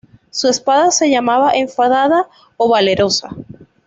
Su espada se llamaba "Enfadada" o "Valerosa".